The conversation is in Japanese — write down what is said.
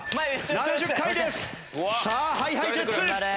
７０回です。さあＨｉＨｉＪｅｔｓ。